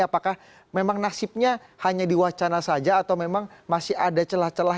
apakah memang nasibnya hanya di wacana saja atau memang masih ada celah celah